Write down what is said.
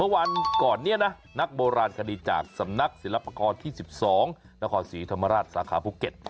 วันก่อนนี้นะนักโบราณคดีจากสำนักศิลปากรที่๑๒นครศรีธรรมราชสาขาภูเก็ต